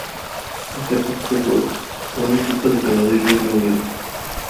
Está compuesta por un equipo de Canadá y Reino Unido.